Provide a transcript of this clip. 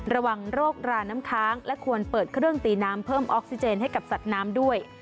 ระวังโรคราน้ำค้างและควรเปิดเครื่องตีน้ำเพิ่มออกซิเจนให้กับสัตว์น้ำด้วย